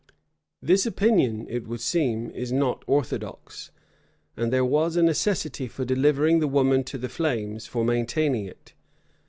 [*] This opinion, it would seem, is not orthodox; and there was a necessity for delivering the woman to the flames for maintaining it.